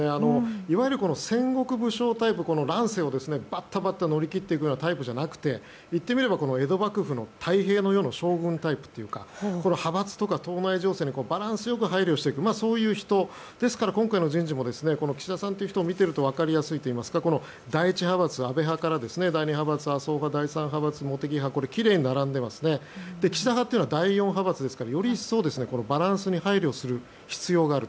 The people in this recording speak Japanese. いわゆる戦国武将タイプのこの乱世をバッタバッタ乗り切っていくタイプじゃなくて、言ってみれば江戸幕府の太平のような将軍タイプというか派閥とか党内情勢をバランス良く配慮していく人なので今回の人事も岸田さんという人を見ていくと分かりやすいといいますか第１派閥の安倍派から第２派閥、麻生派第３派閥の岸田派は第４派閥ですからより一層バランスに配慮する必要がある。